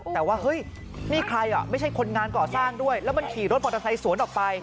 แต่ว่าเฮ้ยนี่ใครอ่ะไม่ใช่คนงานก่อสร้างด้วยแล้วมันขี่รถมอเตอร์ไซค์สวนออกไป